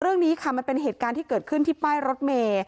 เรื่องนี้ค่ะมันเป็นเหตุการณ์ที่เกิดขึ้นที่ป้ายรถเมย์